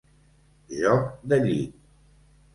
Joc de llit.